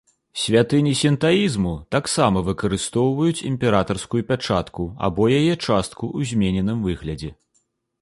Святыні сінтаізму таксама выкарыстоўваюць імператарскую пячатку або яе частку ў змененым выглядзе.